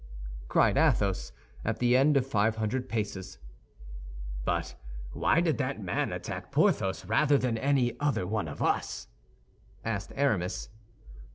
cried Athos, at the end of five hundred paces. "But why did that man attack Porthos rather than any other one of us?" asked Aramis.